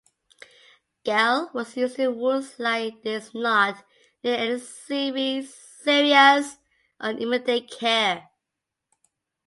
Gale was used to wounds like this not needing any serious or immediate care.